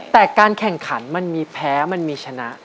แต่การแข่งขันมันมีแพ้มันมีชนะ